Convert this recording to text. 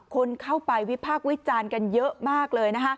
คนเข้าไปวิภาควิจารณ์กันเยอะมากเลย